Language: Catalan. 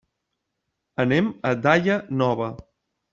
Anem a Daia Nova.